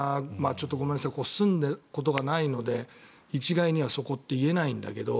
ちょっとごめんなさい住んだことがないので一概にはそこって言えないんだけど。